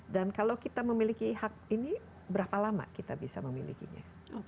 dan kalau kita memiliki hak ini berapa lama kita bisa memilikinya